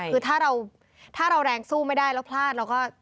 คือถ้าเราแรงสู้ไม่ได้แล้วพลาดเราก็